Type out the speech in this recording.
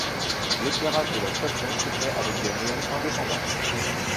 L'éclairage de la station se fait avec des néons indépendants.